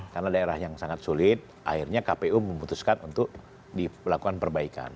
karena daerah yang sangat sulit akhirnya kpu memutuskan untuk dilakukan perbaikan